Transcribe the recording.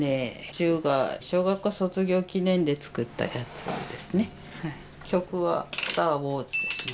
宙が小学校卒業記念で作ったやつですねはい。